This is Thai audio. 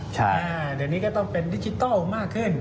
เดี๋ยวนี้ก็ต้องเป็นดิจิทัลมากขึ้น